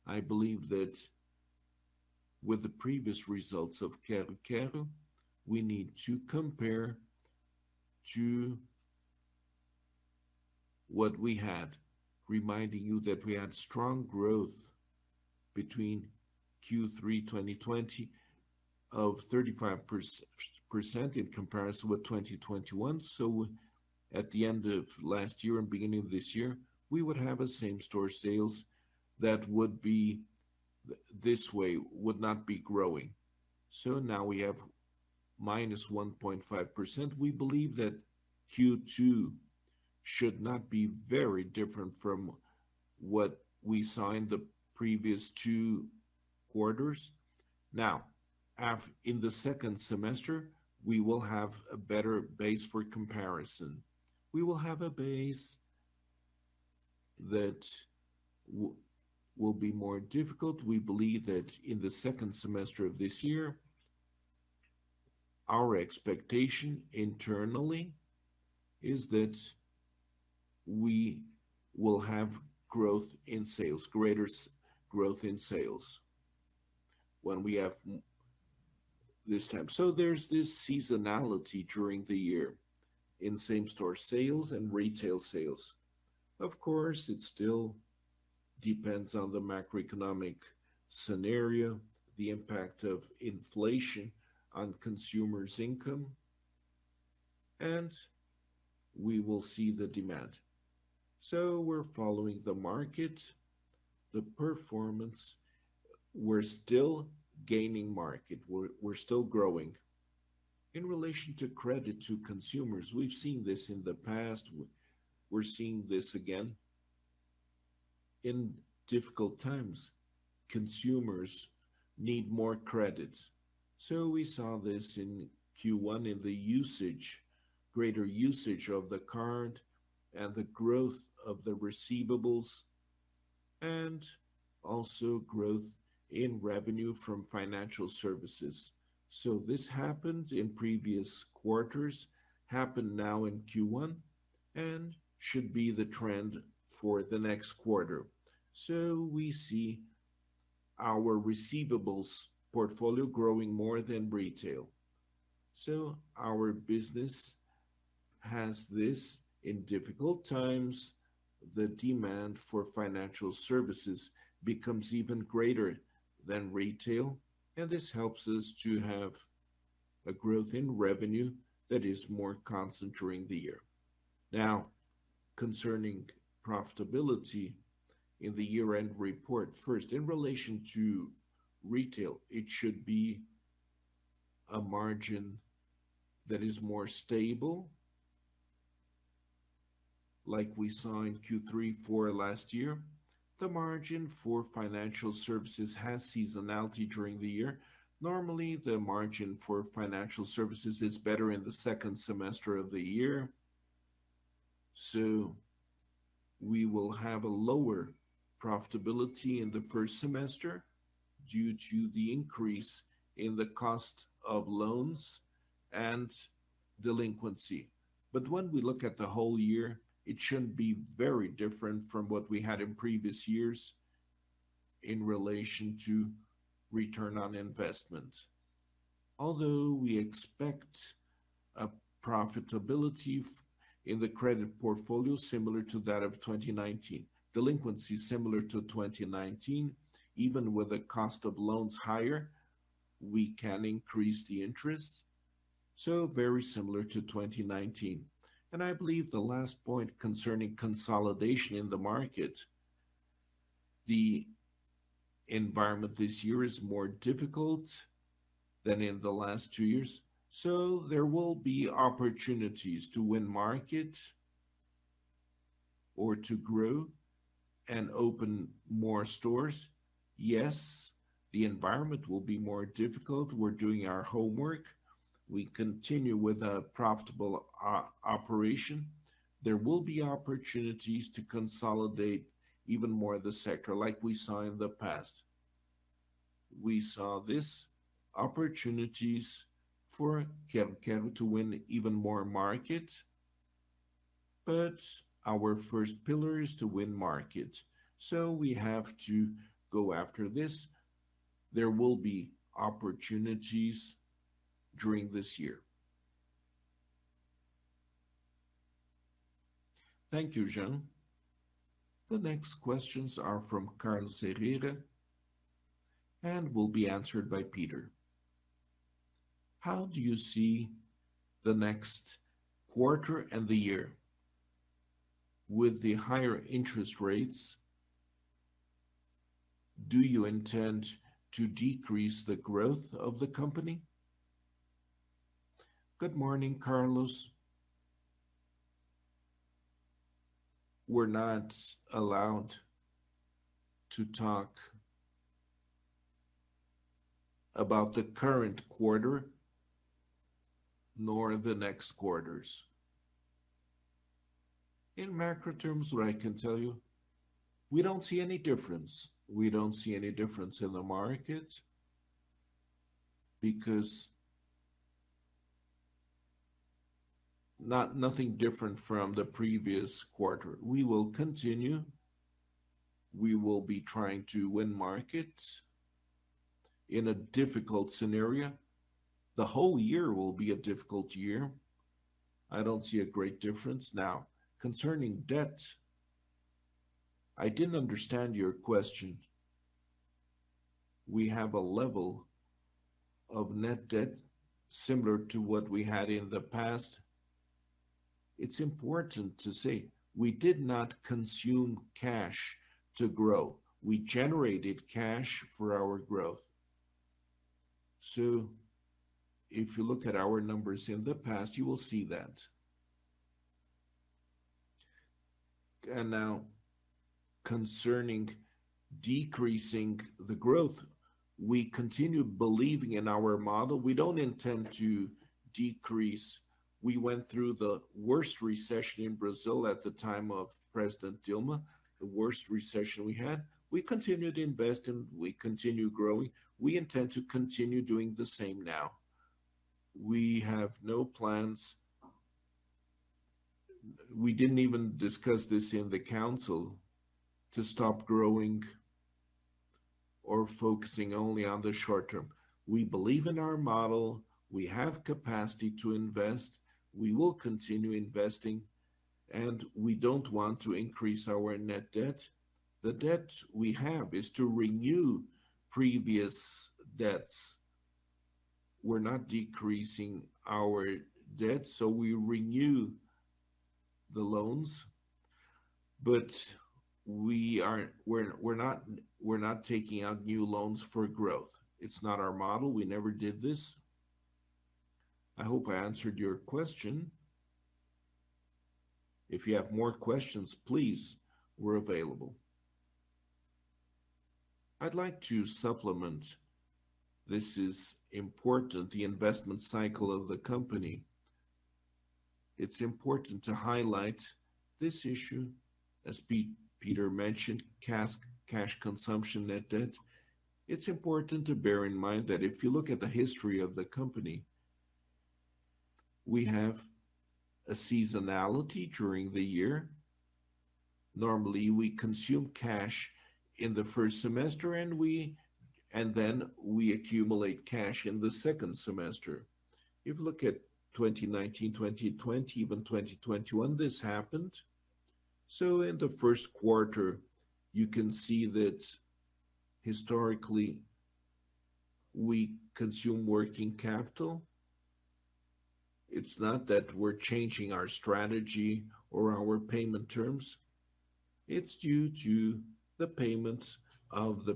I believe that with the previous results of Lojas Quero-Quero, we need to compare to what we had, reminding you that we had strong growth between Q3 2020 of 35% in comparison with 2021. At the end of last year and beginning of this year, we would have a same-store sales that would be this way, would not be growing. Now we have -1.5%. We believe that Q2 should not be very different from what we saw in the previous two quarters. Now, in the second semester, we will have a better base for comparison. We will have a base that will be more difficult. We believe that in the second semester of this year, our expectation internally is that we will have growth in sales, greater growth in sales when we have this time. There's this seasonality during the year in same-store sales and retail sales. Of course, it still depends on the macroeconomic scenario, the impact of inflation on consumers' income, and we will see the demand. We're following the market, the performance. We're still gaining market. We're still growing. In relation to credit to consumers, we've seen this in the past. We're seeing this again. In difficult times, consumers need more credits. We saw this in Q1 in the usage, greater usage of the card and the growth of the receivables. Also growth in revenue from financial services. This happened in previous quarters, happened now in Q1, and should be the trend for the next quarter. We see our receivables portfolio growing more than retail. Our business has this in difficult times, the demand for financial services becomes even greater than retail, and this helps us to have a growth in revenue that is more constant during the year. Now, concerning profitability in the year-end report. First, in relation to retail, it should be a margin that is more stable, like we saw in Q3 for last year. The margin for financial services has seasonality during the year. Normally, the margin for financial services is better in the second semester of the year, so we will have a lower profitability in the first semester due to the increase in the cost of loans and delinquency. When we look at the whole year, it shouldn't be very different from what we had in previous years in relation to return on investment. Although we expect a profitability in the credit portfolio similar to that of 2019, delinquency similar to 2019, even with the cost of loans higher, we can increase the interest, so very similar to 2019. I believe the last point concerning consolidation in the market, the environment this year is more difficult than in the last two years, so there will be opportunities to win market or to grow and open more stores. Yes, the environment will be more difficult. We're doing our homework. We continue with a profitable operation. There will be opportunities to consolidate even more the sector like we saw in the past. We saw this, opportunities for Quero-Quero to win even more market, but our first pillar is to win market, so we have to go after this. There will be opportunities during this year. Thank you, Jean. The next questions are from Carlos Herrera and will be answered by Peter. How do you see the next quarter and the year with the higher interest rates? Do you intend to decrease the growth of the company? Good morning, Carlos. We're not allowed to talk about the current quarter nor the next quarters. In macro terms, what I can tell you, we don't see any difference. We don't see any difference in the market because nothing different from the previous quarter. We will continue. We will be trying to win market in a difficult scenario. The whole year will be a difficult year. I don't see a great difference. Now, concerning debt, I didn't understand your question. We have a level of net debt similar to what we had in the past. It's important to say, we did not consume cash to grow. We generated cash for our growth. If you look at our numbers in the past, you will see that. Now concerning decreasing the growth, we continue believing in our model. We don't intend to decrease. We went through the worst recession in Brazil at the time of President Dilma, the worst recession we had. We continued investing, we continued growing. We intend to continue doing the same now. We have no plans, we didn't even discuss this in the council, to stop growing or focusing only on the short term. We believe in our model. We have capacity to invest. We will continue investing, and we don't want to increase our net debt. The debt we have is to renew previous debts. We're not decreasing our debt, so we renew the loans, but we're not taking out new loans for growth. It's not our model. We never did this. I hope I answered your question. If you have more questions, please, we're available. I'd like to supplement. This is important, the investment cycle of the company. It's important to highlight this issue, as Peter mentioned, cash capex, cash consumption net debt. It's important to bear in mind that if you look at the history of the company, we have a seasonality during the year. Normally, we consume cash in the first semester, and then we accumulate cash in the second semester. If you look at 2019, 2020, even 2021, this happened. In the first quarter, you can see that historically we consume working capital. It's not that we're changing our strategy or our payment terms. It's due to the payments of the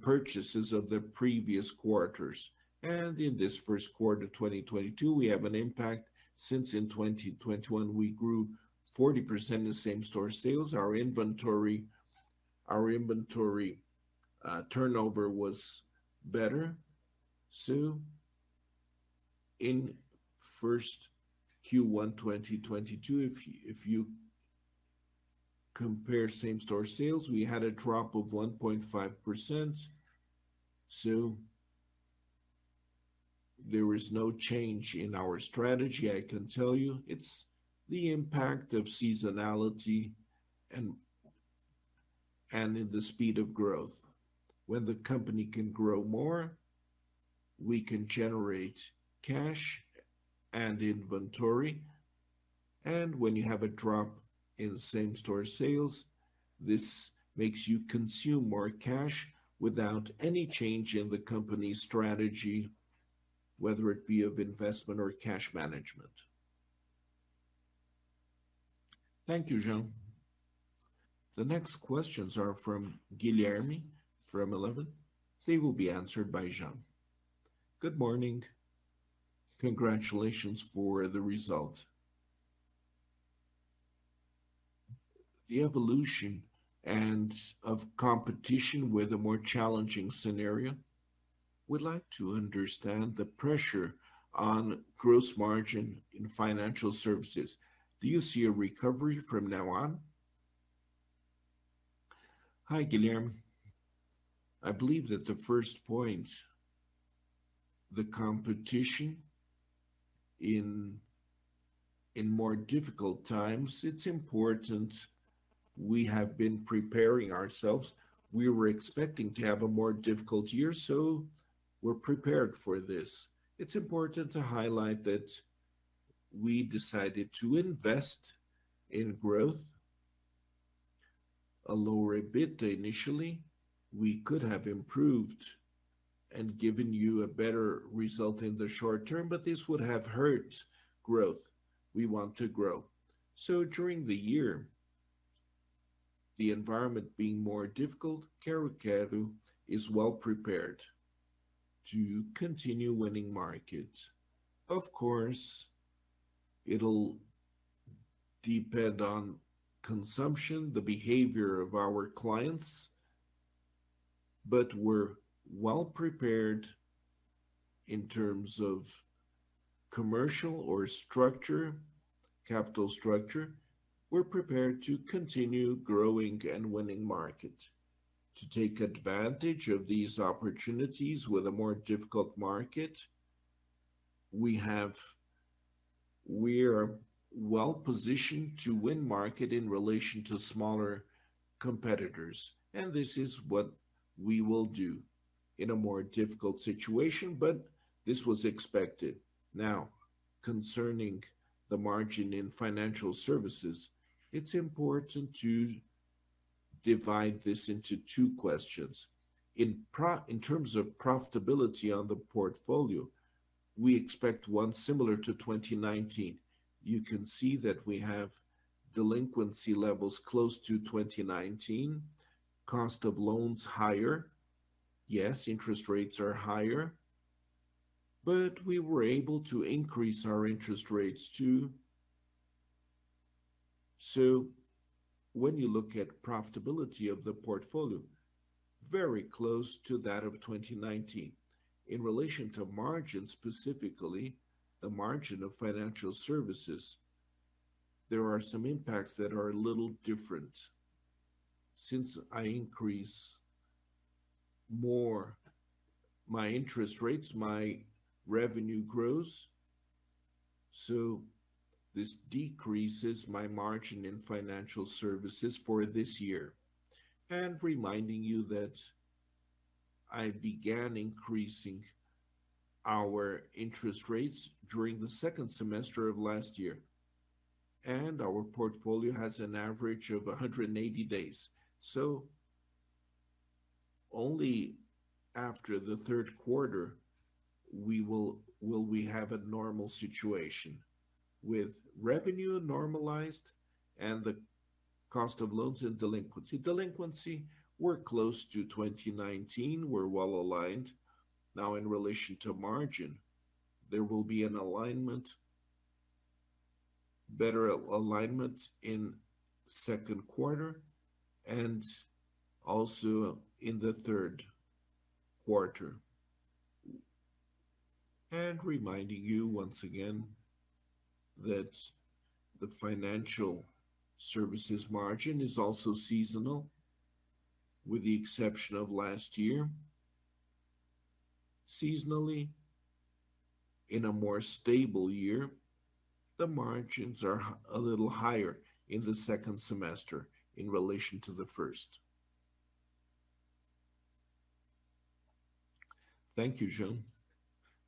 purchases of the previous quarters. In this first quarter, 2022, we have an impact since in 2021 we grew 40% in same-store sales. Our inventory turnover was better. In first Q1 2022, if you compare same-store sales, we had a drop of 1.5%. There is no change in our strategy, I can tell you. It's the impact of seasonality and in the speed of growth. When the company can grow more, we can generate cash and inventory. When you have a drop in same-store sales, this makes you consume more cash without any change in the company's strategy, whether it be of investment or cash management. Thank you, Jean. The next questions are from Guilherme from Eleven. They will be answered by Jean. Good morning. Congratulations for the result. The evolution of competition with a more challenging scenario, we'd like to understand the pressure on gross margin in financial services. Do you see a recovery from now on? Hi, Guilherme. I believe that the first point, the competition in more difficult times, it's important. We have been preparing ourselves. We were expecting to have a more difficult year, so we're prepared for this. It's important to highlight that we decided to invest in growth, a lower EBITDA initially. We could have improved and given you a better result in the short term, but this would have hurt growth. We want to grow. During the year, the environment being more difficult, Lojas Quero-Quero is well prepared to continue winning market. Of course, it'll depend on consumption, the behavior of our clients, but we're well prepared in terms of commercial structure, capital structure. We're prepared to continue growing and winning market. To take advantage of these opportunities with a more difficult market, we're well positioned to win market in relation to smaller competitors, and this is what we will do in a more difficult situation, but this was expected. Now, concerning the margin in financial services, it's important to divide this into two questions. In terms of profitability on the portfolio, we expect one similar to 2019. You can see that we have delinquency levels close to 2019, cost of loans higher. Yes, interest rates are higher, but we were able to increase our interest rates too. When you look at profitability of the portfolio, very close to that of 2019. In relation to margin, specifically the margin of financial services, there are some impacts that are a little different. Since I increase more my interest rates, my revenue grows, so this decreases my margin in financial services for this year. Reminding you that I began increasing our interest rates during the second semester of last year, and our portfolio has an average of 180 days. Only after the third quarter, we will have a normal situation with revenue normalized and the cost of loans and delinquency. Delinquency, we're close to 2019. We're well aligned. Now, in relation to margin, there will be an alignment, better alignment in second quarter and also in the third quarter. Reminding you once again that the financial services margin is also seasonal with the exception of last year. Seasonally, in a more stable year, the margins are a little higher in the second semester in relation to the first. Thank you, Jean.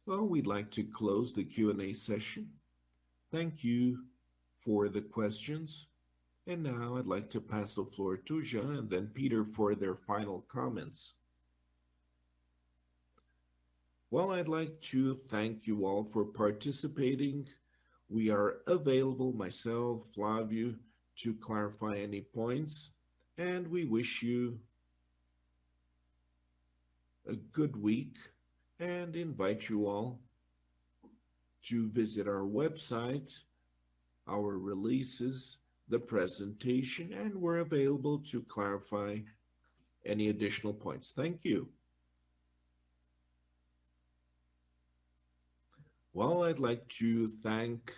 Well, we'd like to close the Q&A session. Thank you for the questions, and now I'd like to pass the floor to Jean and then Peter for their final comments. Well, I'd like to thank you all for participating. We are available, myself, Flavio, to clarify any points, and we wish you a good week and invite you all to visit our website, our releases, the presentation, and we're available to clarify any additional points. Thank you. Well, I'd like to thank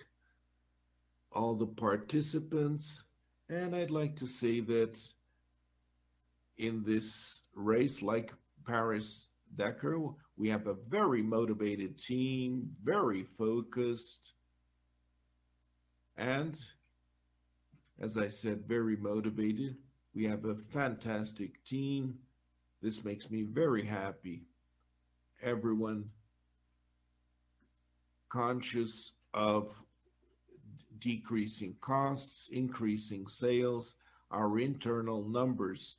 all the participants, and I'd like to say that in this race, like Paris-Dakar, we have a very motivated team, very focused, and as I said, very motivated. We have a fantastic team. This makes me very happy. Everyone conscious of decreasing costs, increasing sales, our internal numbers.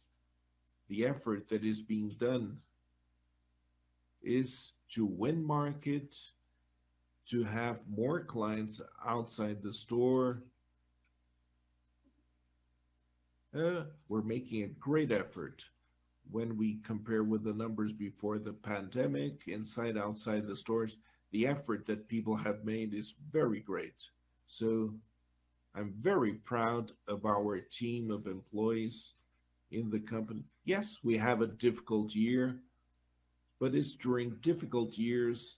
The effort that is being done is to win market, to have more clients outside the store. We're making a great effort when we compare with the numbers before the pandemic, inside, outside the stores. The effort that people have made is very great. I'm very proud of our team of employees in the company. Yes, we have a difficult year, but it's during difficult years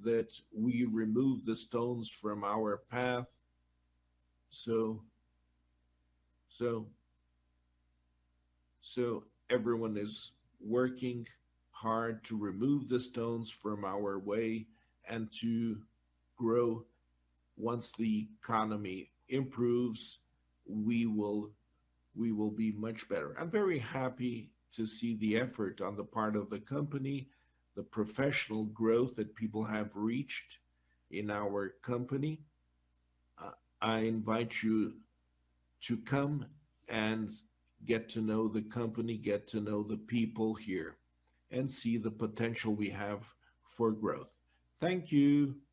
that we remove the stones from our path. Everyone is working hard to remove the stones from our way and to grow. Once the economy improves, we will be much better. I'm very happy to see the effort on the part of the company, the professional growth that people have reached in our company. I invite you to come and get to know the company, get to know the people here, and see the potential we have for growth. Thank you and bye-bye.